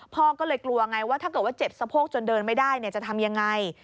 พ่อก็เลยกลัวไงว่าถ้าเกิดว่าเจ็บสะโพกจนเดินไม่ได้จะทำยังไง